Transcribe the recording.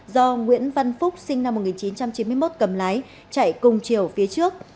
do nguyễn văn phúc sinh năm một nghìn chín trăm chín mươi một cầm lái chạy cùng chiều phía trước